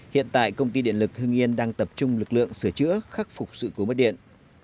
hiện tại công ty điện lực hưng yên đang tập trung lực lượng sửa chữa khắc phục sự cố mất điện